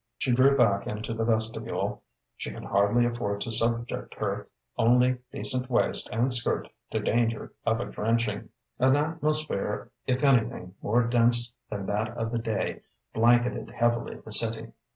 She drew back into the vestibule: she could hardly afford to subject her only decent waist and skirt to danger of a drenching. An atmosphere if anything more dense than that of the day blanketed heavily the city.